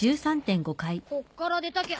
こっから出たきゃ